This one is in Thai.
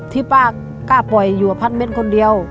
ที่ป้ากล้าปล่อยอยู่อพัดเม้นคนเดียว